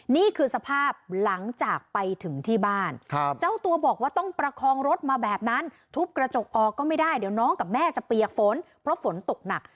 นี่คือสภาพหลังจากไปถึงที่บ้านเจ้าตัวบอกว่าต้องประคองรถมาแบบนั้นทุบกระจกออกก็ไม่ได้เดี๋ยวน้องกับแม่จะเปียกฝนเพราะฝนตกหนัก